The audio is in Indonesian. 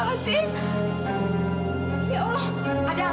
mas prabu luka parah